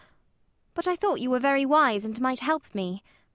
But I thought you were very wise, and might help me.